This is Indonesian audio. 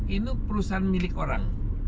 ini perusahaan milik orang